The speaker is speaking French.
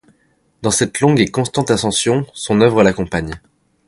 Dans cette longue et constante ascension, son oeuvre l'accompagne.